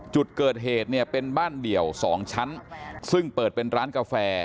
จุดเกิดเหตุเนี่ยเป็นบ้านเดี่ยว๒ชั้นซึ่งเปิดเป็นร้านกาแฟ